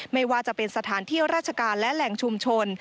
ไม่ว่าจะเป็นสถานที่ราชการและแหล่งชุมชน